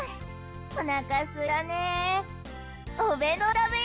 おなかすいたね。